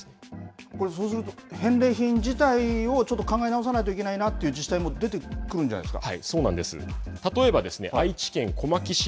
これ、そうすると返礼品自体をちょっと考え直さないといけないなという自治体も出てくるんじゃないですか。